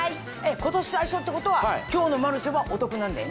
今年最初ってことは今日の『マルシェ』はお得なんだよね？